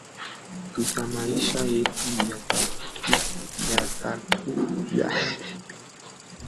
tuta maisha yetu yataku yata yatageuka lakini tumejikuta kuwa kwamba